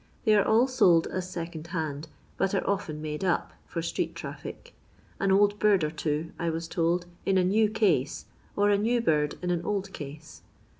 They are all sold as second band, bat are often " made up" for street traffic ; an old bird or two, I was told, in a new case, or a new bird in an old case.